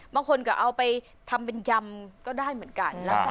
บางคนก็เอาไปทำเป็นยำก็ได้เหมือนกัน